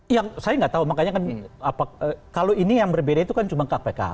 ya saya nggak tahu makanya kan kalau ini yang berbeda itu kan cuma kpk